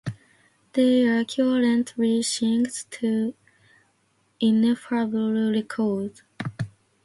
They are currently signed to Ineffable Records.